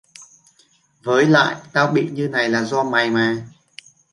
với lại tao bị như này là do mày mà